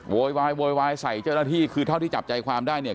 โวยวายโวยวายใส่เจ้าหน้าที่คือเท่าที่จับใจความได้เนี่ย